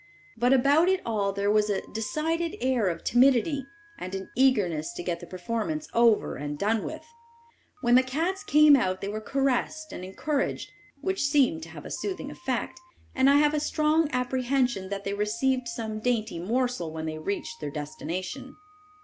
But about it all there was a decided air of timidity, and an eagerness to get the performance over, and done with it. When the cats came out they were caressed and encouraged, which seemed to have a soothing effect, and I have a strong apprehension that they received some dainty morsel when they reached their destination.